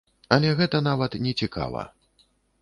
Але гэта нават нецікава.